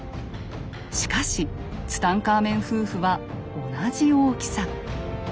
しかしツタンカーメン夫婦は同じ大きさ。